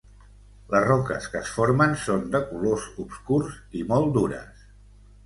Les roques que es formen són de colors obscurs i molt dures.